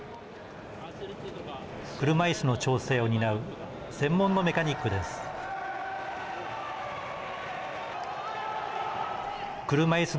車いすの調整を担う専門のメカニックです。